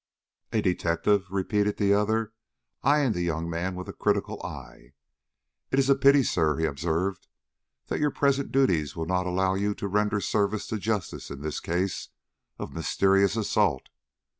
"A detective!" repeated the other, eying the young man with a critical eye. "It is a pity, sir," he finally observed, "that your present duties will not allow you to render service to justice in this case of mysterious assault."